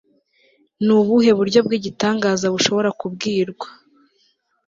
ni ubuhe buryo bw'igitangaza bushobora kubwirwa